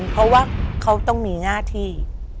เพราะว่าเขาต้องมีหน้าที่